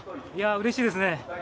うれしいですね。